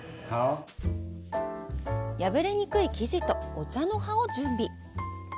破れにくい生地とお茶の葉を準備。